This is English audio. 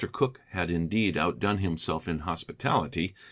Cooke had indeed outdone himself in hospitality.